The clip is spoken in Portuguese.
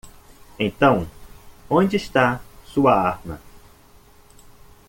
Então onde está sua arma?